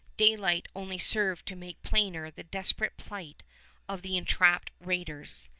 Daylight only served to make plainer the desperate plight of the entrapped raiders.